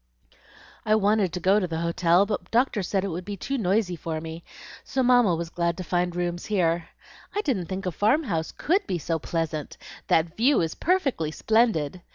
"I wanted to go to the hotel, but the doctor said it would be too noisy for me, so Mamma was glad to find rooms here. I didn't think a farm house COULD be so pleasant. That view is perfectly splendid!"